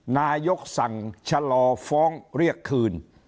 นายกสั่งชะลอฟ้องเรียกคืน